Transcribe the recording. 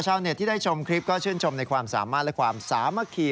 ชาวเน็ตที่ได้ชมคลิปก็ชื่นชมในความสามารถและความสามัคคี